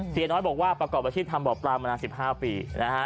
เสียน้อยบอกว่าประกอบอาชีพทำบ่อปลามานาน๑๕ปีนะฮะ